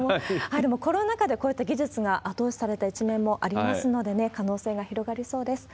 でも、コロナ禍でこういった技術が後押しされた一面もありますので、可能性が広がりそうです。